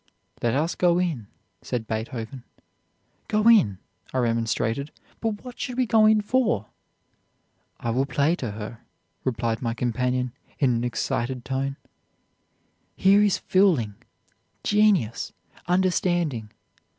"'Let us go in,' said Beethoven. 'Go in!' I remonstrated; 'what should we go in for?' 'I will play to her,' replied my companion in an excited tone; 'here is feeling, genius, understanding!